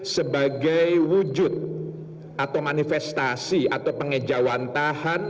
sebagai wujud atau manifestasi atau pengejawantahan